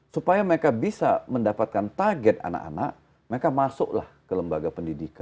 supaya mereka bisa mendapatkan target anak anak mereka masuklah ke lembaga pendidikan